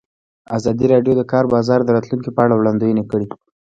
ازادي راډیو د د کار بازار د راتلونکې په اړه وړاندوینې کړې.